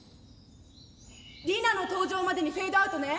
リナの登場までにフェードアウトね。